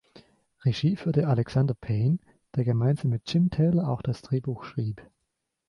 Regie führte Alexander Payne, der gemeinsam mit Jim Taylor auch das Drehbuch schrieb.